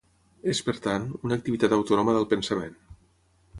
És per tant, una activitat autònoma del pensament.